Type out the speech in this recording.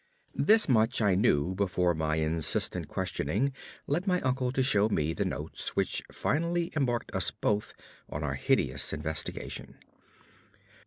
This much I knew before my insistent questioning led my uncle to show me the notes which finally embarked us both on our hideous investigation.